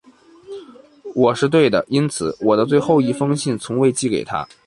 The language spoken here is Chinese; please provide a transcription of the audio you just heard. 我是对的，因此，我的最后一封信从未寄给她。